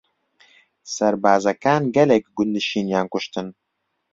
سەربازەکان گەلێک گوندنشینیان کوشتن.